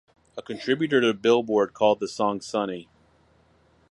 A contributor to "Billboard" called the song sunny.